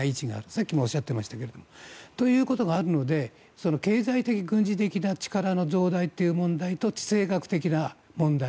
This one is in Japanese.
さっきもおっしゃっていましたが。ということがあるので経済的、軍事的な力の増大という問題と地政学的な問題。